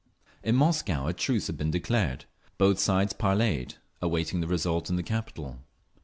In Moscow a truce had been declared; both sides parleyed, awaiting the result in the capital.